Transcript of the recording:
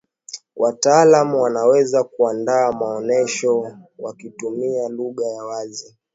wataalamu wanaweza kuandaa maonesho wakitumia lugha ya wazi